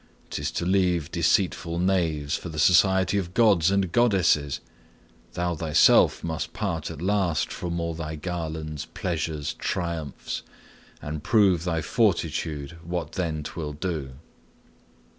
'Tis to leave Deceitful knaves for the society Of gods and goodness. Thou thyself must part At last from all thy garlands, pleasures, triumphs, And prove thy fortitude what then 't will do.